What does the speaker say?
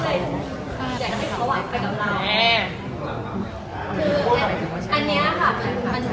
และสุดท้ายเขาบอกว่าเรายังไม่มี